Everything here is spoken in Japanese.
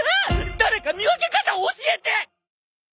誰か見分け方を教えて！